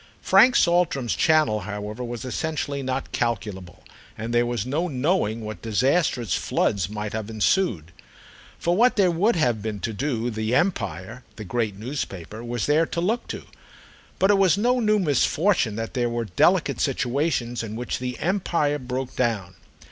Frank Saltram's channel, however, was essentially not calculable, and there was no knowing what disastrous floods might have ensued. For what there would have been to do The Empire, the great newspaper, was there to look to; but it was no new misfortune that there were delicate situations in which The Empire broke down.